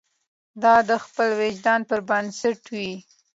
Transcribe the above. دا د خپل وجدان پر بنسټ وي.